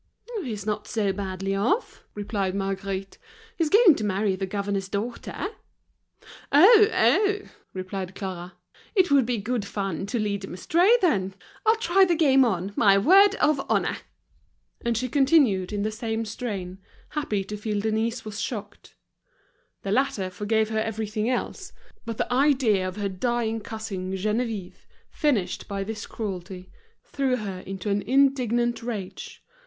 "He's not so badly off," replied Marguerite, "he's going to marry the governor's daughter." "Oh! oh!" replied Clara, "it would be good fun to lead him astray, then! I'll try the game on, my word of honor!" And she continued in the same strain, happy to feel Denise was shocked. The latter forgave her everything else; but the idea of her dying cousin Geneviève, finished by this cruelty, threw her into an indignant rage.